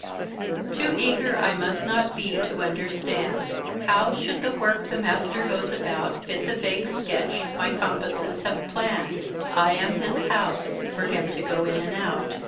Too eager I must not be to understand. How should the work the master goes about Fit the vague sketch my compasses have planned? I am his house for him to go in and out.